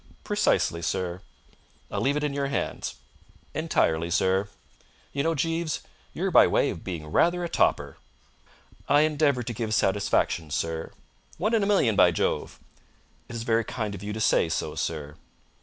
"Precisely, sir." "I'll leave it in your hands." "Entirely, sir." "You know, Jeeves, you're by way of being rather a topper." "I endeavour to give satisfaction, sir." "One in a million, by Jove!" "It is very kind of you to say so, sir."